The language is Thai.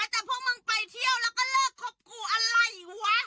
แต่พวกมึงไปเที่ยวแล้วก็เลิกคบกูอะไรวะ